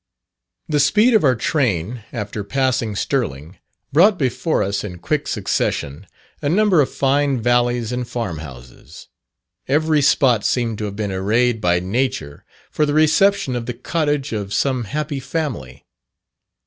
The speed of our train, after passing Stirling, brought before us, in quick succession, a number of fine valleys and farm houses. Every spot seemed to have been arrayed by Nature for the reception of the cottage of some happy family.